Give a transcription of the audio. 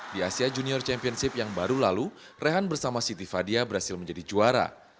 di asia junior championship yang baru lalu rehan bersama siti fadia berhasil menjadi juara